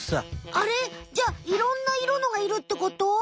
あれ？じゃいろんな色のがいるってこと？